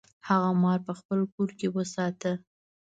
هغه مار په خپل کور کې وساته.